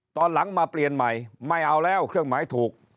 ตอนหลังมาเปลี่ยนใหม่ไม่เอาแล้วเครื่องหมายถูก